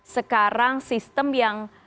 sekarang sistem yang